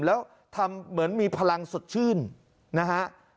แล้วทำเหมือนมีพลังสดชื่นนะฮะ